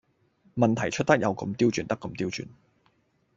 問題出得有咁刁鑽得咁刁鑽